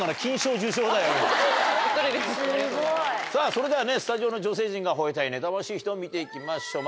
それではスタジオの女性陣が吠えたい妬ましい人を見て行きましょう